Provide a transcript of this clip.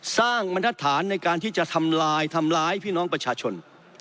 บรรทัศน์ในการที่จะทำลายทำร้ายพี่น้องประชาชน